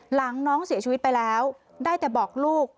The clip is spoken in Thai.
น้องเสียชีวิตไปแล้วได้แต่บอกลูก